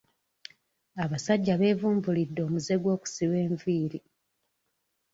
Abasajja beevumbulidde omuze gw'okusiba enviiri.